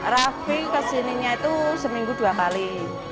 rafi kesininya tuh seminggu dua kali